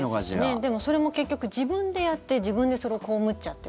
でも、それも結局自分でやって自分でそれを被っちゃってる。